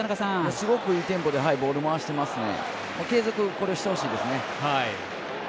すごくいいテンポでボールを回していますね。継続してほしいですね。